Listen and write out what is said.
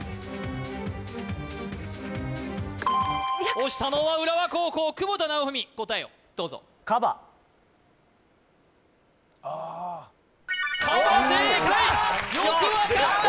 押したのは浦和高校久保田尚文答えをどうぞカバカバ正解よく分かった！